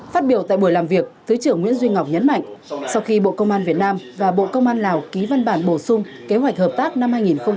phát biểu tại buổi làm việc thứ trưởng nguyễn duy ngọc nhấn mạnh sau khi bộ công an việt nam và bộ công an lào ký văn bản bổ sung kế hoạch hợp tác năm hai nghìn hai mươi ba